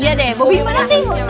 iya deh bobi mana sih